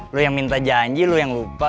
lu yang minta janji lo yang lupa